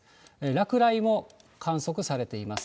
落雷も観測されています。